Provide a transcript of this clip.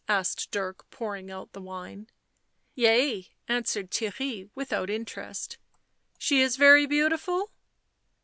asked Dirk, pouring out the wine. " Yea,' 7 answered Theirry without interest. " She is very beautiful